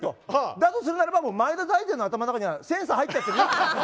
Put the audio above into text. だとするなら前田大然の頭の中にはセンサーが入ってると。